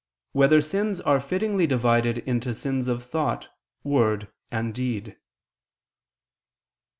7] Whether Sins Are Fittingly Divided into Sins of Thought, Word, and Deed?